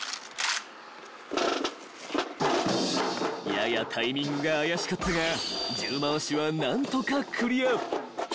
［ややタイミングが怪しかったが銃回しは何とかクリア］